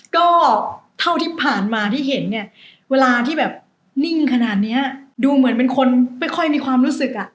ก็เท่าที่ผ่านมาที่เห็นเนี่ยเวลาที่แบบนิ่งขนาดเนี้ยดูเหมือนเป็นคนไม่ค่อยมีความรู้สึกอ่ะ